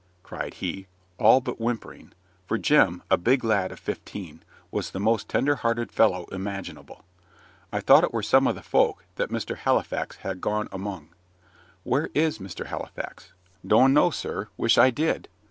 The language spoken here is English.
cried he, all but whimpering; for Jem, a big lad of fifteen, was the most tender hearted fellow imaginable. "I thought it were some of them folk that Mr. Halifax ha' gone among." "Where is Mr. Halifax?" "Doan't know, sir wish I did!